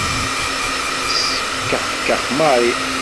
Teskexkex Mary.